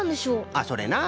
あそれな。